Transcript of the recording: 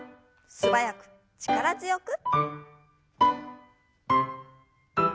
素早く力強く。